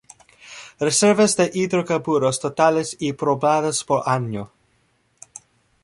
Reservas de hidrocarburos totales y probadas por año.